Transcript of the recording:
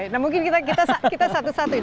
nah mungkin kita satu satu ya